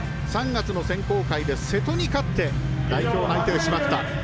３月の選考会で瀬戸に勝って代表内定しました。